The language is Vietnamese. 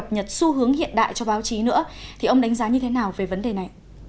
như thế nào về vấn đề này